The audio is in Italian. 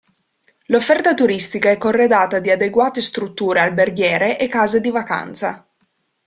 L'offerta turistica è corredata di adeguate strutture alberghiere e case di vacanza.